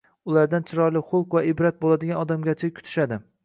Ulardan chiroyli xulq va ibrat bo‘ladigan odamgarchilik kutishadi.